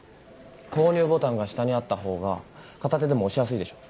購入ボタンが下にあったほうが片手でも押しやすいでしょ？